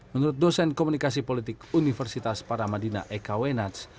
menurut dosen komunikasi politik universitas paramadina eka wenats